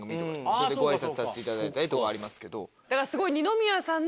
それでご挨拶させていただいたりとかはありますけど。